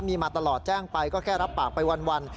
มีมาตลอดแจ้งไปก็แค่รับปากไปวัน